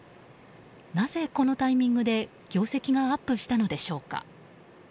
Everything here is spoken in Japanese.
なぜこのタイミングで業績がアップしたのでしょうか。